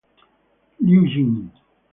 Liu Yin